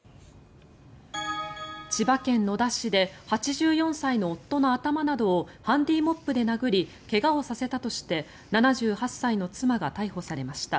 千葉県野田市で８４歳の夫の頭などをハンディーモップで殴り怪我をさせたとして７８歳の妻が逮捕されました。